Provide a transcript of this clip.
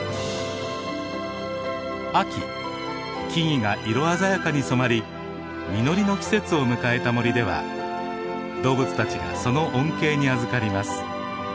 秋木々が色鮮やかに染まり実りの季節を迎えた森では動物たちがその恩恵にあずかります。